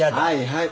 はい。